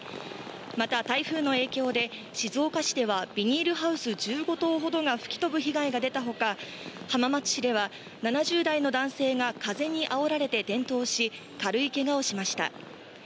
また、台風の影響で、静岡市ではビニールハウス１５棟ほどが吹き飛ぶ被害が出たほか、浜松市では７０代の男性が風にあおられて転倒し、軽いけがをしました。